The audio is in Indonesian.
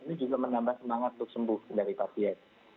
ini juga menambah semangat untuk sembuh dari pasien